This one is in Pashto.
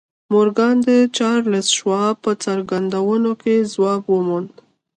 مورګان د چارلیس شواب په څرګندونو کې ځواب وموند